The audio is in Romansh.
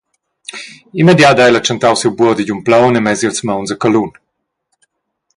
Immediat ha ella tschentau siu buordi giun plaun e mess ils mauns a calun.